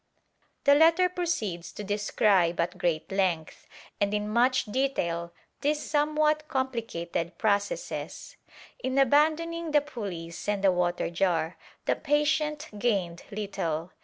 The letter proceeds to describe at great length and in much detail these somewhat complicated processes. In abandoning the pulleys and the water jar, the patient gained little.